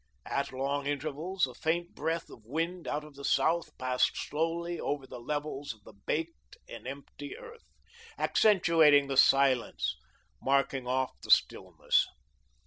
At long intervals, a faint breath of wind out of the south passed slowly over the levels of the baked and empty earth, accentuating the silence, marking off the stillness.